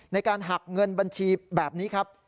ในการหักเงินบัญชีแบบนี้ครับ